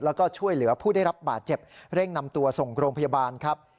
แล้วก็ช่วยเหลือผู้ได้รับบาดเจ็บเร่งนำตัวส่งโรงพยาบาลครับ